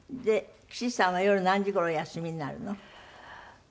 岸さんは夜何時頃お休みになるの？